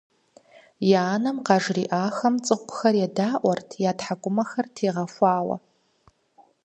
Я анэм къажриӀэхэм цӀыкӀухэр едаӀуэрт я тхьэкӀумэхэр тегъэхуауэ.